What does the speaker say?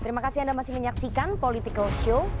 terima kasih anda masih menyaksikan political show